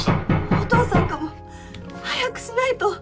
お父さんかも。早くしないと。